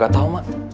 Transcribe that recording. gak tau mak